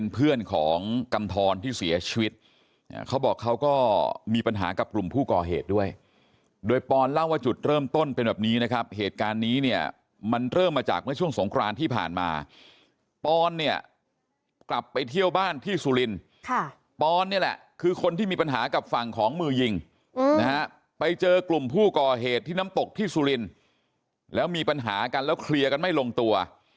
ไปเจอกลุ่มผู้ก่อเหตุที่น้ำตกที่สุรินทร์แล้วมีปัญหากันแล้วเคลียร์กันไม่ลงตัว